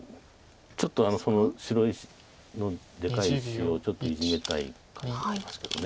ちょっとその白石のでかい石をちょっとイジメたいかなと思いますけど。